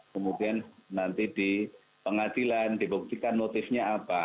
kemudian nanti di pengadilan dibuktikan motifnya apa